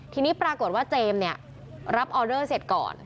ทีนี้ปรากฏว่าเจมส์เนี่ยรับออเดอร์เสร็จก่อน